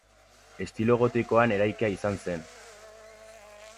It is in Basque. Estilo gotikoan eraikia izan zen.